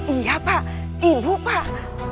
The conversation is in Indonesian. iya pak ibu pak